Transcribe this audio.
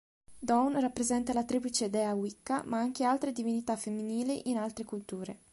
Dawn rappresenta la triplice Dea Wicca ma anche altre divinità femminili in altre culture.